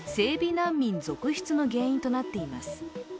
難民続出の原因となっています。